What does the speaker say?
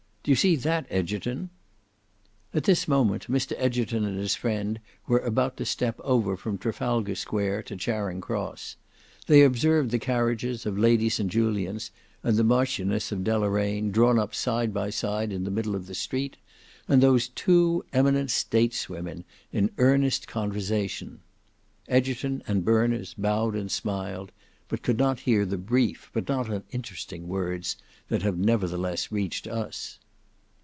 Do you see that, Egerton?" At this moment, Mr Egerton and his friend were about to step over from Trafalgar square to Charing Cross. They observed the carriages of Lady St Julians and the Marchioness of Deloraine drawn up side by side in the middle of the street, and those two eminent stateswomen in earnest conversation. Egerton and Berners bowed and smiled, but could not hear the brief but not uninteresting words that have nevertheless reached us.